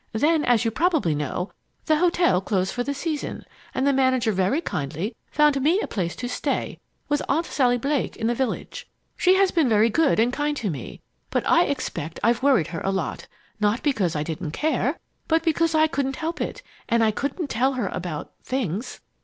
Then, as you probably know, the hotel closed for the season, and the manager very kindly found me a place to stay with Aunt Sally Blake in the village. She has been very good and kind to me, but I expect I've worried her a lot, not because I didn't care, but because I couldn't help it and I couldn't tell her about things!